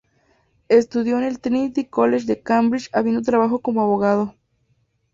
Estudió en el Trinity College de Cambridge, habiendo trabajado como abogado.